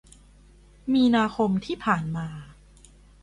มีนาคมที่ผ่านมา